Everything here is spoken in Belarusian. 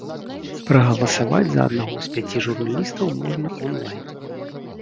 Прагаласаваць за аднаго з пяці журналістаў можна он-лайн.